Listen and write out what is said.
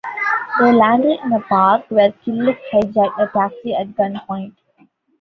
They landed in a park where Killick hijacked a taxi at gunpoint.